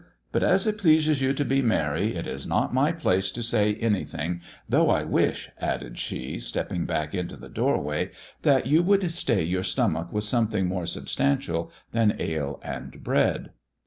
But as it pleases you to be merry it is not my place to say anything, though I wish," added she, stepping back into the doorway, " that you would stay your stomach with something more substantial than ale and bread."